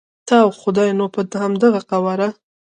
ته او خدای نو په همدغه قواره.